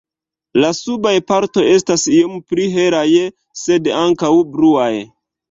La subaj partoj estas iom pli helaj, sed ankaŭ bluaj.